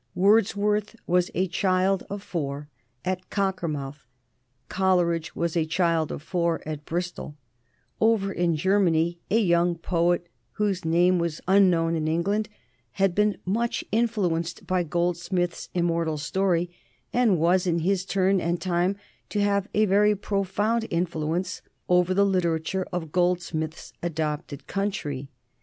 Wordsworth was a child of four, at Cockermouth; Coleridge was a child of four, at Bristol; over in Germany a young poet, whose name was unknown in England, had been much influenced by Goldsmith's immortal story, and was in his turn and time to have a very profound influence over the literature of Goldsmith's adopted country.